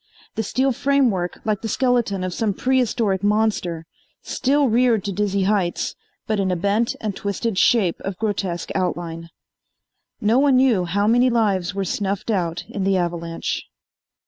The steel framework, like the skeleton of some prehistoric monster, still reared to dizzy heights but in a bent and twisted shape of grotesque outline. No one knew how many lives were snuffed out in the avalanche.